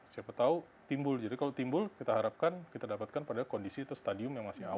siapa tahu timbul jadi kalau timbul kita harapkan kita dapatkan pada kondisi atau stadium yang masih aman